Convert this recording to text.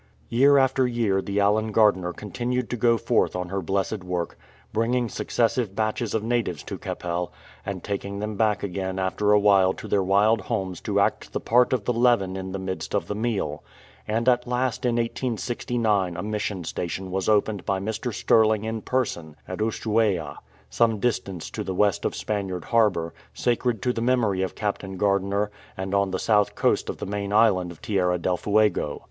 Year after year the Allen Gardiner continued to go forth on her blessed work, bringing successive batches of natives to Keppel, and taking them back again after a while to their wild homes to act the part of the leaven in the midst of the meal. And at last in 1869 a mission station was opened by Mr. Stirling in person at Ushuaia, some distance to the west of Spaniard Harbour, sacred to the memory of Captain Gardiner, and on the south coast of the main island of Tierra del Fuego.